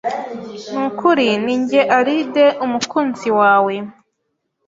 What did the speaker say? ni ukuri ni njye Alide umukunzi wawe!